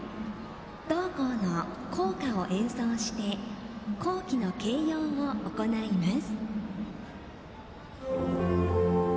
同校の校歌を演奏して校旗の掲揚を行います。